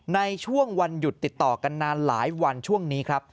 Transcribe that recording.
ในช่วงวันหยุดติดต่อกันนานหลายวันช่วงนี้ครับ